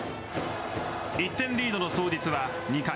１点リードの早実は２回。